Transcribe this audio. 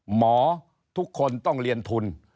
หมอทุกคนต้องเรียนทุน